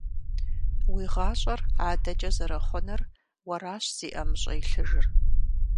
Уи гъащӀэр адэкӀэ зэрыхъунур уэращ зи ӀэмыщӀэ илъыжыр.